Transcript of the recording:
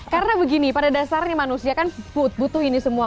karena begini pada dasarnya manusia kan butuh ini semua